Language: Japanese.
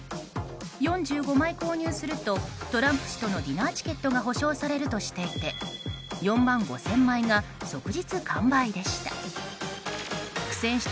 ４５枚購入するとトランプ氏とのディナーチケットが保証されるとしていて４万５０００枚が即日完売でした。